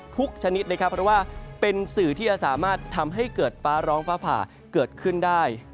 ชนิดนะครับเพราะว่าเป็นสื่อที่จะสามารถทำให้เกิดฟ้าร้องฟ้าผ่าเกิดขึ้นได้